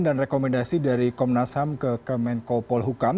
dan rekomendasi dari kmnas ham ke kemenko polhukam